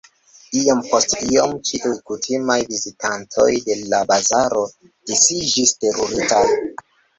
Iom post iom ĉiuj kutimaj vizitantoj de l' bazaro disiĝis teruritaj.